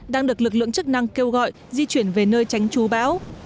đang được lực lượng chức năng kêu gọi di chuyển về nơi tránh chú bão